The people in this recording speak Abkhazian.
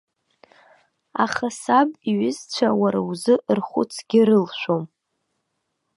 Аха саб иҩызцәа уара узы рхәыцгьы рылшәом.